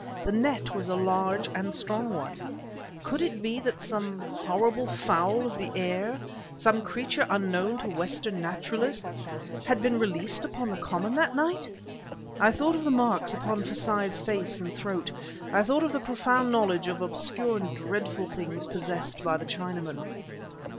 The net was a large and strong one; could it be that some horrible fowl of the air some creature unknown to Western naturalists had been released upon the common last night? I thought of the marks upon Forsyth's face and throat; I thought of the profound knowledge of obscure and dreadful things possessed by the Chinaman.